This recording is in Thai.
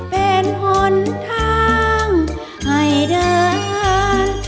เป็นหนทางให้เดิน